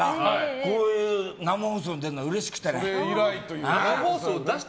こういう生放送出るのうれしくて。